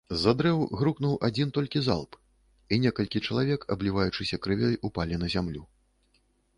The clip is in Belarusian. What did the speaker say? З-за дрэў грукнуў адзін толькі залп, і некалькі чалавек, абліваючыся крывёй, упалі на зямлю.